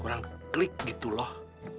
kurang klik gitu loh